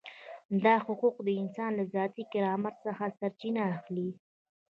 دا حقوق د انسان له ذاتي کرامت څخه سرچینه اخلي.